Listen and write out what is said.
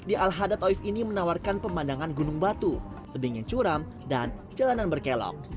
di al hadad oif ini menawarkan pemandangan gunung batu tebingin curam dan jalanan berkelok